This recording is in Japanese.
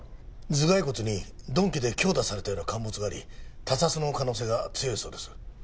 頭蓋骨に鈍器で強打されたような陥没があり他殺の可能性が強いそうです。